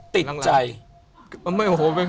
ติดใจ